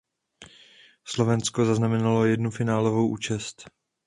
Slovensko zaznamenalo jednu finálovou účast.